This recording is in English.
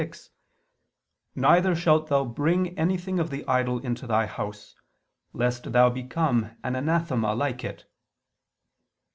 7:26): "Neither shalt thou bring anything of the idol into thy house, lest thou become an anathema like it."